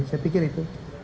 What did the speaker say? saya pikir itu